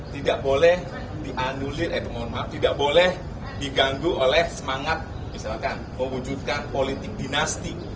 tidak boleh dianulir oleh pemohon maaf tidak boleh diganggu oleh semangat misalkan mewujudkan politik dinasti